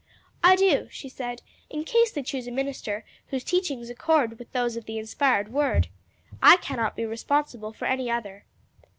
"I do," she said, "in case they choose a minister whose teachings accord with those of the inspired word. I cannot be responsible for any other."